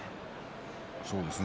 そうですね